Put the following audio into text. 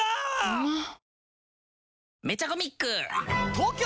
うまっ！！